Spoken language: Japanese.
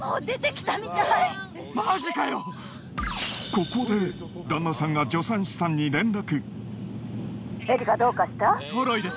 ここで旦那さんが助産師さんに連絡。